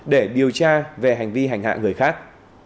để điều tra về hành vi hành hạ người khác